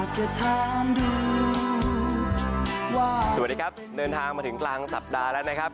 สวัสดีครับเดินทางมาถึงกลางสัปดาห์แล้วนะครับ